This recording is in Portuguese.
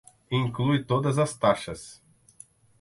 Inclui todas as taxas.